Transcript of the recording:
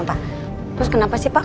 terus kenapa sih pak